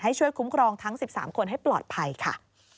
ช่วยคุ้มครองทั้ง๑๓คนให้ปลอดภัยค่ะ